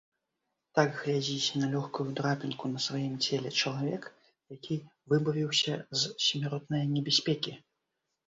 Так глядзіць на лёгкую драпінку на сваім целе чалавек, які выбавіўся з смяротнае небяспекі.